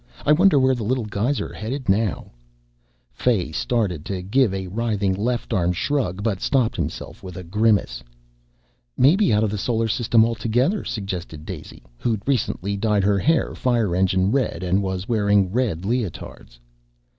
I wonder where the little guys are headed now?" Fay started to give a writhing left armed shrug, but stopped himself with a grimace. "Maybe out of the solar system altogether," suggested Daisy, who'd recently dyed her hair fire engine red and was wearing red leotards.